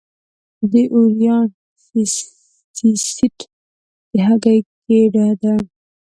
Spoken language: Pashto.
د اووریان سیسټ د هګۍ ګېډه ده.